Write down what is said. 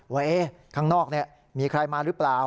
ว่าข้างนอกมีใครมาหรือเปล่า